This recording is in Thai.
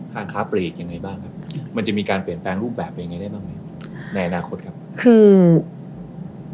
ทางค้าเปรตยังไงบ้างครับมันจะมีการเปลี่ยนแปลงรูปแบบยังไงได้บ้างไหม